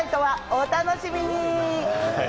お楽しみに！